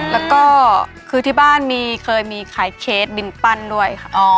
แล้วก็คือที่บ้านเคยมีขายเคสบินปั้นด้วยค่ะ